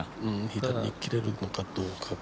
左に切れるのかどうか。